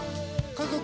家族。